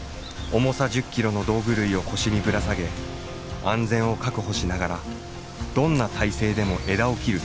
重さ１０キロの道具類を腰にぶら下げ安全を確保しながらどんな体勢でも枝を切る特殊技能。